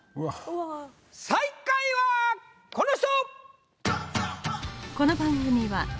最下位はこの人！